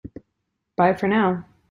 Bye for now!